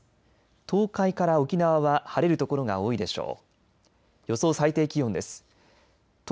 東海から沖縄は晴れるところが多いでしょう。